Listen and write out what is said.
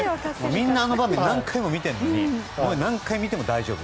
みんなあの場面何回も見ているのに何回見ても大丈夫。